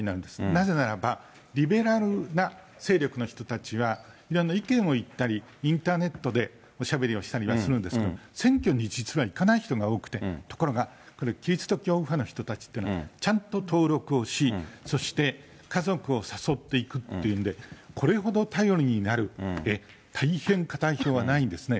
なぜならば、リベラルな勢力の人たちは、意見を言ったり、インターネットでおしゃべりをしたりするんですけれども、選挙に実は行かない人が多くて、ところがこれ、キリスト教右派の人たちというのはちゃんと登録をし、そして家族を誘って行くっていう意味で、これほど頼りになる、で、大変かたい票はないんですね。